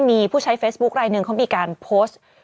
มีผู้ใช้เฟซบุ๊คลายหนึ่งเขามีการโพสต์